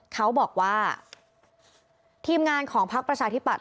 เขาบอกว่าทีมงานของพักประชาธิปัตย